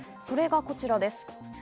それがこちらです。